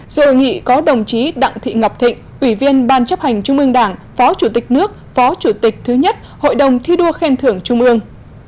sự hội nghị có đồng chí đặng thị ngọc thịnh ủy viên ban chấp hành trung ương đảng phó chủ tịch nước phó chủ tịch thứ nhất hội đồng thi đua khen thưởng trung ương